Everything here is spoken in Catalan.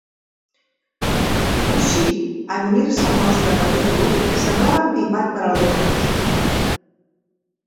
Gussie, en unir-se al nostre petit grup, semblava empipat per alguna cosa.